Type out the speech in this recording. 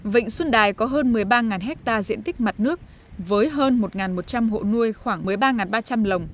vịnh xuân đài có hơn một mươi ba ha diện tích mặt nước với hơn một một trăm linh hộ nuôi khoảng một mươi ba ba trăm linh lồng